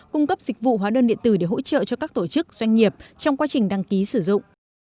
cung cấp dịch vụ hóa đơn điện tử để hỗ trợ cho các tổ chức doanh nghiệp trong quá trình đăng ký sử dụng